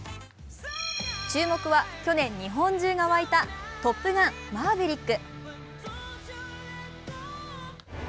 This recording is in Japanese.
注目は去年、日本中が湧いた「トップガンマーヴェリック」。